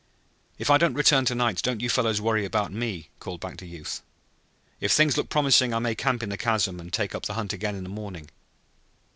"If I don't return to night don't you fellows worry about me," called back the youth. "If things look promising I may camp in the chasm and take up the hunt again in the morning."